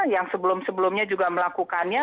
yang sebelum sebelumnya juga melakukannya